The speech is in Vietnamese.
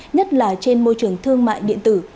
nhất là trên môi trường thương mại điện tử